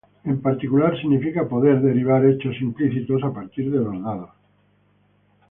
En particular, significa poder derivar hechos implícitos a partir de los dados.